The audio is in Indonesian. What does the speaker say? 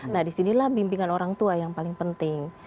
nah disinilah bimbingan orang tua yang paling penting